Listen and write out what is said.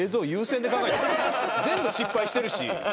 全部失敗してるし。